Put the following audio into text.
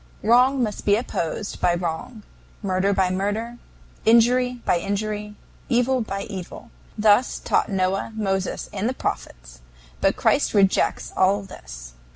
Wrong must be opposed by wrong, murder by murder, injury by injury, evil by evil. Thus taught Noah, Moses, and the Prophets. But Christ rejects all this.